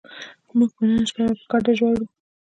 موږ به نن شپه په ګډه ژاړو